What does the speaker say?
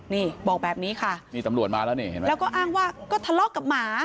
นี่บอกแบบนี้ค่ะแล้วก็อ้างว่าก็ทะเลาะกับหมา